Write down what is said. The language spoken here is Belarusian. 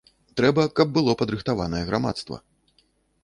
Трэба, каб было падрыхтаванае грамадства.